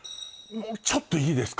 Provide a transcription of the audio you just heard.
もうちょっといいですか？